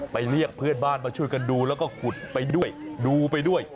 เรียกเพื่อนบ้านมาช่วยกันดูแล้วก็ขุดไปด้วยดูไปด้วย